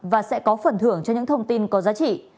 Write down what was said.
và sẽ có phần thưởng cho những thông tin có giá trị